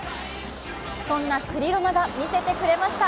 そんなクリロナがみせてくれました。